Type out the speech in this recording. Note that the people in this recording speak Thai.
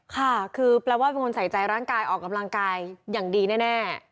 ค่ะคือแปลว่าเป็นคนใส่ใจร่างกายออกกำลังกายอย่างดีแน่